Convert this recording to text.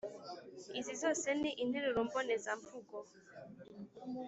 Izi zose ni interuro mbonezamvugo